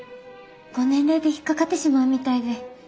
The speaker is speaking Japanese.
ご年齢で引っ掛かってしまうみたいで。